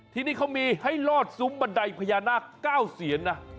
ที่นี่เขามีให้รอดซุมบันไดพญานาค้าวเซียน